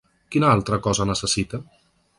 Quina altra cosa necessita?